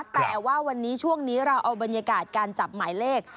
แต่ว่าวันนี้ช่วงนี้เราเอาบรรยากาศการจับหมายเลข